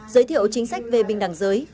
giới thiệu chính sách về bình đẳng giới